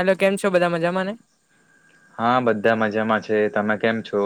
Hello કેમ છો, બધા મજામાંને હા, બધા મજામાં છે, તમે કેમ છો.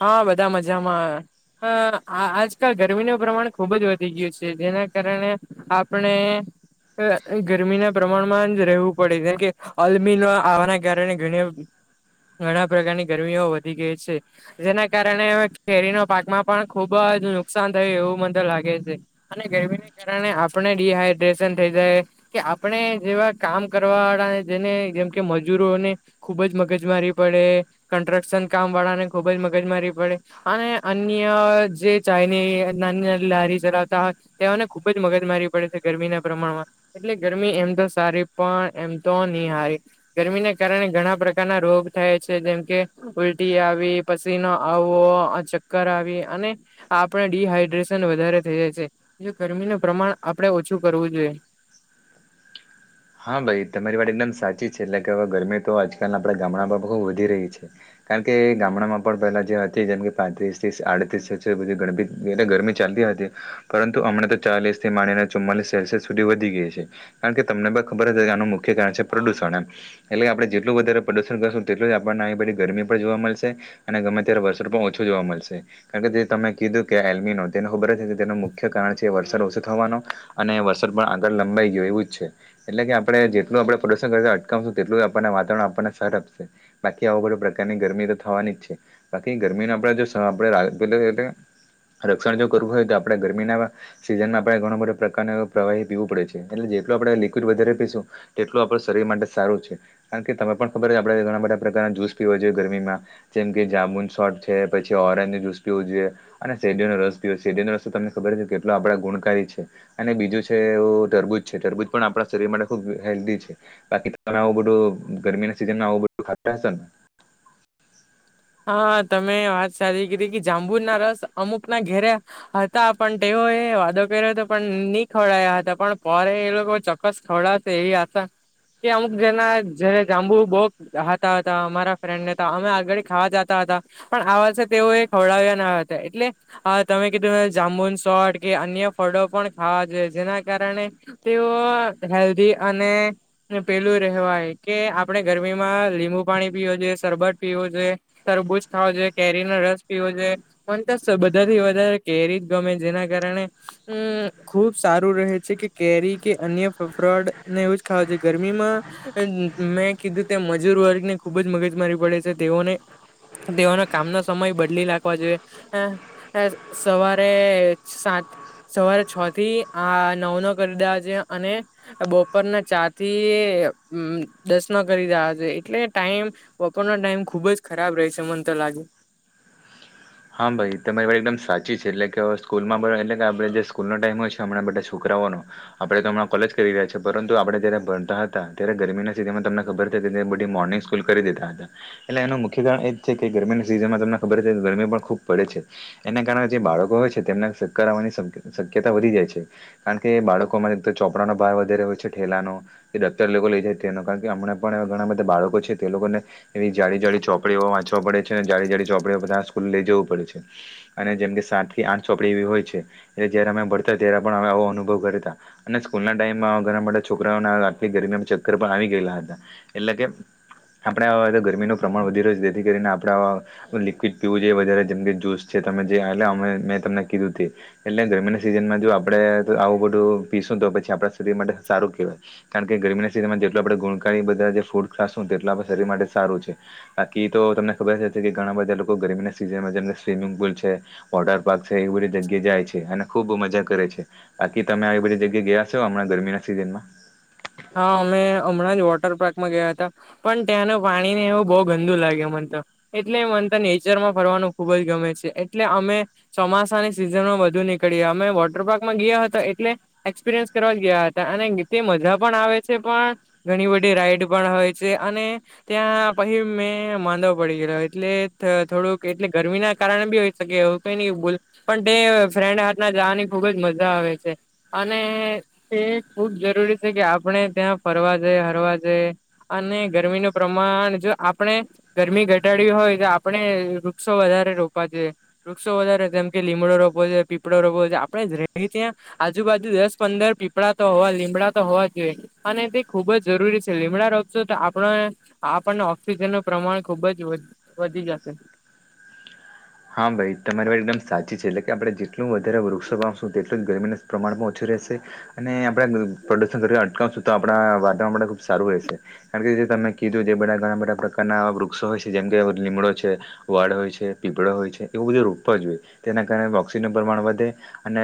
હા, બધા મજામા અ આજકાલ ગરમીનું પ્રમાણ ખુબજ વધી ગયું છે, જેના કારણે આપણે ગરમીના પ્રમાણમાં જ રહેવું પડે જેમ, કે અલમી આવવાના કારણે ઘણી. ઘણા પ્રકારની ગરમીઓ વધી ગઈ છે. જેના કારણે કેરીનો પાકમાં પણ ખુબ જ નુકસાન થયું એવું મને લાગે છે. અને ગરમીને, કારણે આપણે ડીહાઈડ્રેશન થઈ, જાય કે આપણે જેવા કામ કરવા વાળા જેને જેમ, કે મજૂરોને ખુબજ મગજ મારી પડે કન્સ્ટ્રક્શન કામ વાળાને ખુબજ મગજ મારી પડે અને અન્ય જે ચાઈની. નાની, નાની લારી ચલાવતા તેઓને ખુબજ મગજ મારી પડે છે, ગરમીના પ્રમાણમાં એટલે ગરમી એમ તો સારી પણ એમ તો હારી ગરમીને કારણે ઘણા પ્રકારના રોગ થાય છે, જેમકે ઉલટી આવી પસીનો આવો ચક્કર આવી અને આપડ ડીહાઈડ્રેશન વધારે થઈ જાય છે. ગરમીનું પ્રમાણ આપણેે ઓછુ, કરવું જોઈએ હા, ભાઈ તમારી વાત એકદમ સાચી છે. એટલે કે હવે ગરમી તો આજકાલ આપણે ગામડામાં બહુ વધી રહી છે. કારણ કે, ગામડામાં પણ પેલા જે હતી. જેમ કે પાંત્રીસ્રીસ આડત્રીસધી ગણીી એટલે ગરમી ચાલ હતી, પરંતુ હમણા, તો ચાલીસ થી માનીને ચુમ્માલીસ સેલ્સિયસ સુધી વધી ગઈ છે, કારણ કે તમને ખબર આનું મુખ્ય કારણ છે, પ્રદુષણ એમ એટલે આપણે જેટલું વધારે પ્રદુષણ કરશું તેટલું જ આપણનેધી ગરમી જોવા મળશે અને ગમે, ત્યારે વર્ષો પણ ઓછું જોવા મળશે કારણ કે જે તમે કીધું કે એમી ન તેબ. તે મુખ્ય કારણ છે, વરસાદ ઓછો થવાનો અને વરસાદ પણ આગળ લંબાઈ ગયો એવુજ છે. એટલે કે આપણે, જેટલું આપણે પ્રદુષણ કરતા અટકાવશુ, તેટલું આપણને વાતાવરણ આપણને સર આપશે બાકી આવો બધો પ્રકાર ની ગરમી તો થવાની જ છે, બાકી ગરમી ન આપણેે જો આપ એ રક્ષણ જો કરવું હોય, તો આપડણે ગરમીના સીઝનમાં આપણે ઘણો બધા પ્રકાર પ્રવાહી પીવું પડે છે, એટલે જેટ તો, આપણે વધ પીશુ તેટુ આપ શરીર માટે સારું છે, કારણ કે ત પણ ખબર આપણે ઘણા બધા પ્રકારના જસ પીવા ગરમીમા જેમ કે જાામુન સોફ છે, પછી ઓરેન્જ જ્યુસ પીવુ જોઈએ અને સેડયોનો રસ પીવ રસ્ તમને ખબર કેટલો આપડા ગુણકારી છે, અને બીજું છેું તરબૂજ છે, તરબૂ પણ આપણા શરીર માટે ખુબ હેલ્ધી છે, બાકી તમે આવું બધું ગરમીના સીઝનમાં આવુ બધુ ખાહશેો, ને હા, તમે વાત સાચી કરી કે જાબુર ના રસ અમુકના ઘેર્યા હતા, પણ તેઓ હ, વાદો કર્યો હતો પણ નહી. ખવડયા હતા પણ પર એ લોકો ચોક્કસ ખવડાશે એવી આશા કે અમુક જેના જ જાંબુ બો હતા, હતા અમારા ફ્રેન્ડ ને હતા, અમે આગળ ખાવા જતા હતા, પણ આ વર્ષે તેઓ એ ખવડાવ્યા ના હતા એટલે તમે કીધું જાંબુ. ચોટ કે અન્ય ફળો પણ ખાવા જોઈએ, જેના કારણે તેઓ હેલ્ધી અને પેલું રવાય કે આપડણે ગરમીમા લીબુ પાણી પીવું જોઈએ, શ સરબત પીવો જોઈએ તરબૂજ થો જોઈએ કેરીનોો રસ પીવો જોઈએ, મને તસ બધા થી. વધારે કેરી જ ગમે જેના ખુબ સારું રહે છે, કે કેરી કે અન્ય ફ્રોડ ને એવું ખ ગરમીમાં મેં કીધુ તે મજૂર વર્ગને ખુબજ મગજ મારી પડે છે, તેઓને દેવાના કામનો સમય બદલી નાખવા જોઈએ, હ સવારે સાત સવારે છ, થી આ નવ ન કરી દા છે, અને બપોરના ચાર થી દશન કરી રહ્યા છે. એટલે ટાઈમ વપોરનો ટાઈમ ખુબ જ ખરાબ રહેહી છે, મન તો લાગે હા ભાઈ તમારી વા એકદમ સાચી છે એટલે કે સ્કૂલમાં એટલે કે આપણે જે સ્કૂલનોો ટાઈમ હોય છે હમણાંધા છોકરા આપ હમણાં કોલેજ કરી રહ્યાી પરંતુ આપણે જયારે ભણતા હતા ત્યારે ગરમી ના સિઝનમાં તમને ખબર બ મોર્નિંગ સ્કૂલ કરી દીતા હતા એટલે એનું મુખ્ય કારણ એ જ છે કે ગરમીની સિઝનમાં તમને ખબર છે ગરમી પણ ખૂબ પડે છે એના કારણે જે બાળકો હોય છે તેમને શક્કર આવવાની શક્યતા વધી જાય છે કારણ કે બાળકોમાંને ચોપડાનો ભાવ વધારે હોય છે થેલાનો ડક્ટર લોકો લઇ જાય તેનો કારણ કે હમણા પણ ઘણા બાળકો છે તે લોકો ને એવી જાડી જાડી ચોપડીઓવા વાંચવા પડે છે અને જાડી જાડી ચોપડીઓ સ્કૂલ લઈ વું પડે અને જેમ કે સાત થી આઠ ચોપડી એવી હોય છે એટલે જારે અમે ભણતા ત્યારે પણ એવો અનુ અનુભવ કરતા અને સ્કૂલ ના ટાઈમ મા ઘણા બધા છોકરાઓ ને આટલી ગરમીમાં ચક્કર પણ આવી ગયેલા હતા એટલે એટલે કે આપણે ગરમી ન પ્રમાણ વધી રહ્યું છે જેથી કરીને આપણે લિક્વિડ પીવું જોઈએ વધારે જેમ કે જુસ છે તમે જે અ મેં તમને કીધું એટલે ગરમી ના સિઝનમાં જો આપડે આવું પીસ તો પછી આપણા શરીર માટે સારું કેહેવાય કારણ કે ગરમના સિઝનમાં જેટલું આપણે ગુણકારી બધા ફૂડ ફ્રૂટ ખાસું તેટલા આપણા શરીર માટે સારું છે બાકી તો તમને ખબર જ છે ઘણા બધા લોકો ગરમીના સિજ઼ જેન મા જેમને સ્વિમિંગ પુલ છે વોટર પાર્ક છે એવી બધી જગ્યા જાય છે અને ખુબ મજા કરે છે બાકી તમે આવી બધી જગ્યા ગયા છો હમણાં ગરમીના સિઝન માં હા અમે હમણાં જ વોટર પાર્કમાં ગયા હતા પણ ત્યાંનું પાણી ને એવું બહુ ગંદુ લાગ્યું મને એટલે મન તો નેચર માં ફરવાનું ખુબ જ ગમે છે એટલે અમે ચોમાસાની સિઝનમાં નીકળયા અમે વોટર પાર્કમાં ગયા હતા એટલે એક્સપિરયન્સ કરવા ગયા હતા અને તે મજા પણ આવે છે પણ ઘણી બધી રાઈડ પણ હોય છે અને ત્યાં પછી મે પડી ગેલા એટલે થોડુંક એટલે ગરમી ના કારણે બી હો શકે એવું કાયની [unintelligible] ફ્રેન્ડ હાથના જવાની ખુબ જ મજા આવે છે અને તે ખૂબ જરૂરી છે કે આપણે ત્યાં ફરવા જાય હરવા જાય અને ગરમીનું પ્રમાણ જો આપણે ગરમી ઘટાડ હોય તો આપણે વૃક્ષો વધારે રોપવા જોઈએ વૃક્ષો વધારે જેમ કે લીમડો રોપવો જોયે પીપળો રપવો જોયે આપડે જ્યાં રહીયે છે ત્યાં આજુબાજુ દસ પંદર પીપળા તો હવા લીમડા તો હોવા જોઈ અને તે ખુબ જ જરૂરી છે લીમડા રોપ સો તો આપ આપણને ઓક્સિજન નુ પ્રમાણ ખુબ જ વધ વધી જશે હા ભાઈ તમારી વાત એકદમ સાચી છે એટલે કે આપડણે જેટલું વધારે વૃક્ષો વાવશું તેટલું જ ગરમીના પ્રમાણમાં ઓછું અને આપડા પ્રદુશન અટકાવશું તો આપણા વાતાવરણ માટે ખુબ સારું રહેશે કારણ કે તમે કીધું જે બધા ઘણા બધા પ્રકારનાવા વૃક્ષો હોય છે જેમ કે લીમડો છે વડ હોય છે પીપડો હો છે એવ બધુ રોપવા જોઈ તેના કારણે ઓક્સિનું પ્રમાણ વધે અને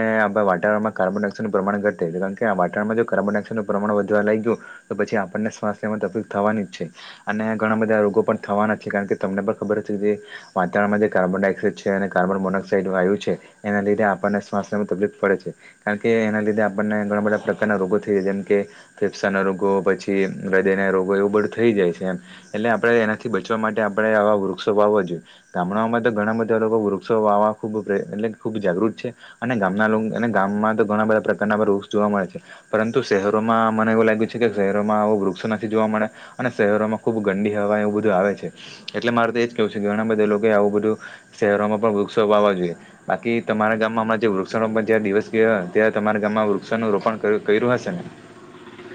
વાતાવણમાં કાર્બન ડાયોક્સાઇડ પ્રમાણ ઘટ કાર કે આ વાટણમાં કાર્બન ડાયોક્સાઇડ પ્રમાણ વધવા લાગયો તો પછી આપને શ્વાશ લેવામાં તકલીફ થવાની છે અને ઘણા બધા રોગો પણ થવાના છે કારણ કે તમને પણ ખબર કે જે વાતાવરણમાં કાર્બન ડાયક્સાઇડ છે અને કાર્બન મોનોક્સાઇડ વાયુ છે એના લીધે આપણને સ્વાસ્થ્યમાં તકલીફ પડે છે કારણ કે એના લીધે આપણને ઘણા બધા પ્રકારના રોગો થઈ જેમ કે ફેફસા ના રોગો પછી હૃદય ના રોગો બળ થઈ જાય છે એમ એટલે આપણે એનાથી બચવા માટે આપણે આવા વૃક્ષો વાવવા જોઈએ ગામડામાં ઘણા બધા લોકો વૃક્ષો વાવા ખુબ પ્રય એટલે ખુબ જાગૃત છે અને ગામના ગામમાં તો ઘણા બધા પ્રકારના વૃક્ષ જોવા મળે છે પરંતુ શહેરોમાં મને એવું લાગ્યું છે કે શહેરોમાં આવો વૃક્ષો નથી જોવા મળે અને શહેરોમાં ખુબ ગંડી હવા એવું બધું આવે છે એટલે મારે તો એજ કેવું છે કે ઘણા બધા લોકો આવું બધું શહેરોમાં પણ વૃક્ષો વાવા જોઈએ બાકી તમારા ગામમાં હમણાં જે વૃક્ષોરોપણ દિવસ ગયો ત તમારા ગામમાં વૃક્ષનું રોપણ કર્યું હશે ને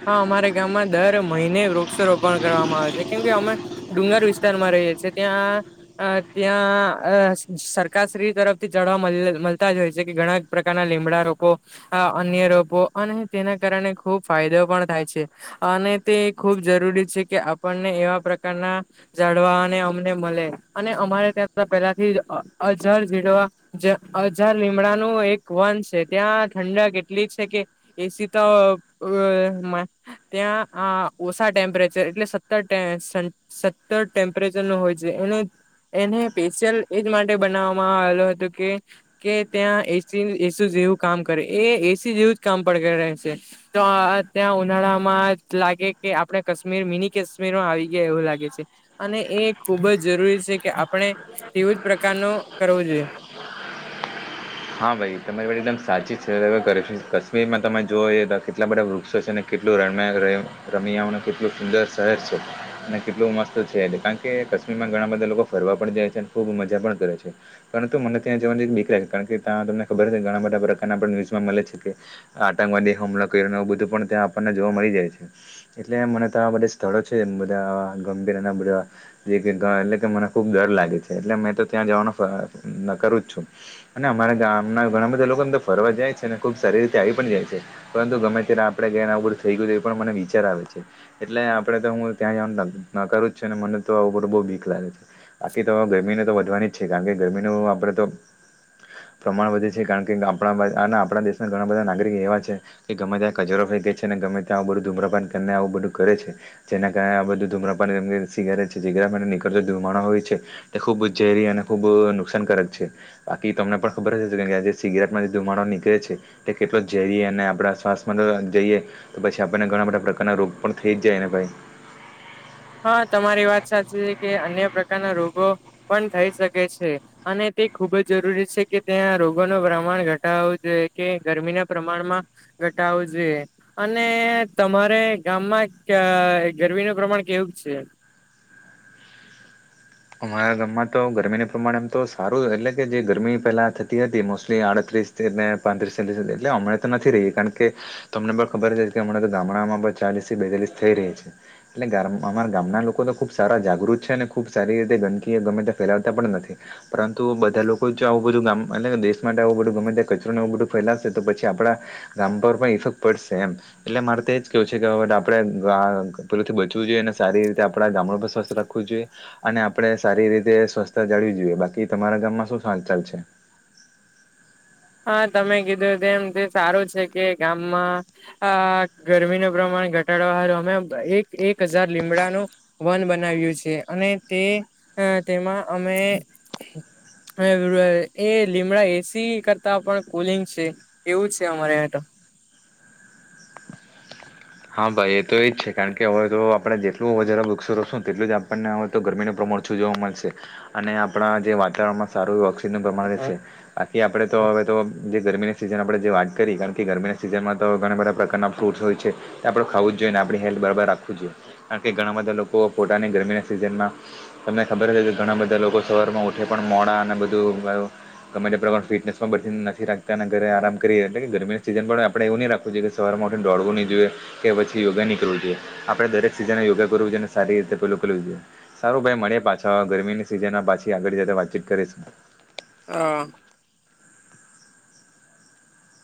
હા અમારા ગામમાં દર મહિને વૃક્ષારોપણ કરવામાં આવે છે કેમ કે અમે ડુંગર વિસ્તારમાં રહીએ છે ત્યાં ત્યાં સરકારશ્રી તરફથી ચાવ મળતા જ હોય છે કે ઘણા પ્રકારના લીમડા રોપો અન્ય રોપો અને તેના કારણે ખુબ ફાયદો થાય છે અને તે ખૂબ જરૂરી છે કે આપણને એવા પ્રકારના જાળવા અને અમને મળે અને અમારે ત્યાં પેલાથી અજાર [unintelligible] લીમડાનું એક વન છે ત્યાં ઠંડક એટલી છે કે એસી તો વ ત્યાં આ ઓછા ટેમ્પરેચર એટલે સત્તર સત્તર ટેમ્પરેચર હોય છે એને એને સ્પેશિયલ એજ માટે બનાવવામાં આવેલો હતો કે કે ત્યાં એસી એસ જેવું કામ કરે એ એસી જેવું જ કામ પડ રહે છે તો ત્યાં ઉનાળા માં લાગે કે આપડે કાશ્મીર મિની કાશ્મીરમાં આવી ગયા એવું લાગે છે અને એ ખુબ જ જરૂરી છે કે આપણે તેવું જ પ્રકારનો કરવો જોઈએ. [inaudible] હા ભઈ તમારી વાત એકદમ સાચી છે કરશ કશ્મીરમાં તમે જોઈ કેટલા બધા વૃક્ષો છે. કેટલું રયમ રમ્યાનું કેટલું સુંદર શહેર છે અને કેટલું મસ્ત છે એ કારણ કે માં ઘણા બધા લોકો ફરવા પણ જાય છે અને ખુબ મજા પણ કરે છે પરંતુ મને ત્યાં જવાની બીક લાગે કારણ કે ત્યા તમને ખબર છે ઘણા બધા પ્રકારના ન્યુઝમાં મળે છે કે આતંકવાદી હુમલો કર્યો ને એવું બધું પણ ત્યાંને જોવા મળી જાય છે એટલે મને તો આ બધા સ્થળો છે બધા ગંભીર ના બધા એટલે કે મને ખુબ ડર લાગે છે એટલે મેં તો ત્યાં જવાનો નકારું જ છું. ને અમારા ગામ ના ઘણા બધા લોકો એમ તો ફરવા જાય છે ને ખુબ સારી રીતે આવી પણ જાય છે પરંતુ ગમે ત્યારે આપડે ને આવું બધું થઈ ગયું એ પણ મને વિચાર આવે છે એટલે આપડે તો હું ત્યાં જવાનું નકારું છું ને મને તો આવું બધું બો બીક લાગે છે બાકી તો ગરમીને તો વધવાની જ છે કારણ કે ગરમીનું આપડે તો [inaudible] પ્રમાણ વધે છે કારણ કે આપણા આપણા દેશના ઘણા બધા નાગરિક એવા છે કે ગમે ત્યાં કચરો ફેકે છે ને ગમે ત્યા બધું ધૂમ્પાન કરને આવું બધું કરે છે જેના કારણે આ બધું ધૂમ્રપાન અને શીગારેટ છે જે નીકડતો ધૂમાડો હોય છે તે ખૂબ ઝેરી અને ખૂબ નુકસાનકારક છે. બાકી તમને પણ ખબર જ કે કે આ જે સિગરેટમાં જે ધુમાડો નીકળે છે તે કેટલો ઝેરી અને આપણા શ્વાસમાં જઈએ તો પછી આપણને ઘણા બધા પ્રકારના રોગ પણ થઈ જ જાય ને ભાઈ હા તમારી વાત સાચી છે કે અન્ય પ્રકારના રોગો પણ થઈ શકે છે અને તે ખુબ જ જરૂરી છે કે તેના રોગો નું પ્રમાણ ઘટાડવું જોઈ જોયે કે ગરમીના પ્રમાણમાં ઘટાવુ જોઈએ અને તમારે ગામમાં કે ગરમીનું પ્રમાણ કેવુંક છે? અમારા ગામમાં તો ગરમીનું પ્રમાણ આમ તો સારું એટલે કે જે ગરમી પહેલા થતી હતી મોસ્ટલી આડત્રીસ પાંત્રીસ તેત્રીસ એટલે હમણા તો નથી રહી કારણ કે તમને ખબર જ હતી કે હમણાં તો ગામડામાં ચાલીસથી બેતાલીસ થઈ રહી છે એટલે અમારા ગામના લોકો તો ખુબ સારા જાગૃત છે અને ખુબ સારી રીતે ગંદકી ગમે તે ફેલાવતા પણ નથી પરંતુ બધા લોકો જો આવું બધું ગામ એટલે દેશ માટે આવ ગમે ત્યાં કચરોને એવું બધું ફેલાવશે તો પછી આપડા ગામ પર પણ ઇફેક્ટ પડશે એમ એટલે મારે તો એ જ કેવું છે કે આપડે અ પેલુંથી બચવું જોઈએ અને સારી રીતે આપડા ગામ ને પણ સ્વસ્થ રાખવું જોઈએ. અને આપડે સારી રીતે સ્વછતા જાળવી જોઈએ. બાકી તમારા ગામમાં શું હાલચાલ છે? [inaudible] તમે કીધું તેમ તે સારું છે કે ગામમાં અ ગરમીનું પ્રમાણ ઘટાડ ઘટાડવા એક એક હજાર લીમડાનું વન બનાવ્યું છે અને તે તેમાં અમે એ લીમડા એસી કરતા પણ કુલિંગ છે એવું છે અમારે અયા તો હા ભાઈ એ તો એજ છે કારણ કે હવે તો આપણેે જેટલું વધારે વૃક્ષો રોપશું તેટલું જ આપણને હવે તો ગરમીનો પ્રમા મળતું જોવા મળશે અને આપણા જે વાતાવરણમાં સારું ઓક્સીજન પ્રમાણ રેય છે બાકી આપડે તો હવે તો જે ગરમીની સિઝન આપણે જે વાત કરી કારણ કે ગરમીની સિઝનમાં તો ઘણા બધા પ્રકારના ફ્રૂટસ હોય છે. તો આપણું ખાવું જ જોઈએ અને આપણી હેલ્થ બરાબર રાખવું જ જોઈએ કારણ કે ઘણા બધા લોકો પોતાને ગરમીના સિઝનમાં તમને ખબર જ હોય કે ઘણા બધા લોકો સવાર માં ઉઠે પણ મોડા અને બધું ગમે તે પ્રમાણે ફિટનેસમાં બતી નથી રાખતાના ઘરે આરામ કરીએ એટલે ગરમીની સિઝન પણ આપણે એવું ની રાખવુ જોઈએ કે સવારમાં દોડવું ની જોઈએ. કે પછી યોગા ની કરવુ જોઈએ આપડે દરેક સીઝન યોગા કરવું જોઈએ અને સારી રીતે પેલું કરવુ જોઈએ સારું ભાઈ મળયે. પાછા ગરમીની સિઝન પાછી આગળ જતા વાતચીત કરીશું. હા.